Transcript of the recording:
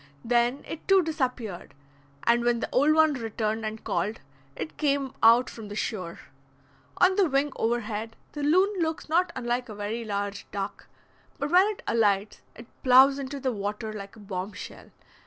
Then it too disappeared, and when the old one returned and called, it came out from the shore. On the wing overhead, the loon looks not unlike a very large duck, but when it alights it ploughs into the water like a bombshell.